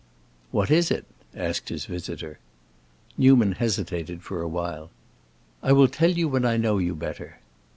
"What is it?" asked his visitor. Newman hesitated a while. "I will tell you when I know you better."